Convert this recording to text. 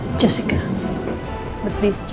tapi terus menunggu sampai dia bisa minta saya